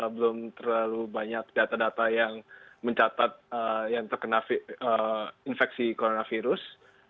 belum terlalu banyak data data yang mencatat yang terkena infeksi coronavirus